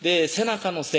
背中の「背」